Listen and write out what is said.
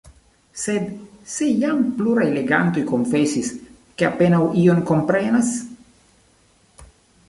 Sed se jam pluraj legantoj konfesis, ke apenaŭ ion komprenas?